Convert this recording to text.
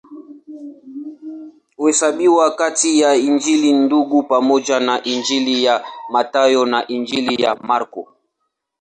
Huhesabiwa kati ya Injili Ndugu pamoja na Injili ya Mathayo na Injili ya Marko.